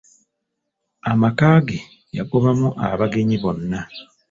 Amaka ge yagobamu abagenyi bonna.